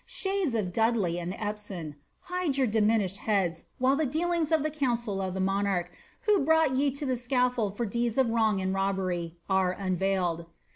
Shades of Dudley and Empson ! hide your diminished hnds while the dealings of the council of the monarch, who brought ve to the scafibld for deeds of wrong and robbery, are unveiled.